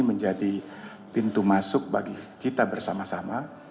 menjadi pintu masuk bagi kita bersama sama